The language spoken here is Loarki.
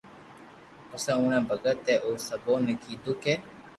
پسو اوڻي ڀگت اي او سپايو ني ڪيدو ڪي